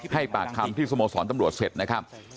ให้ปากคำที่สโมสรตำรวจเสร็จนะครับ